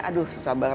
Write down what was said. aduh susah banget